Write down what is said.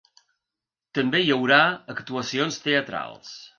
També hi haurà actuacions teatrals.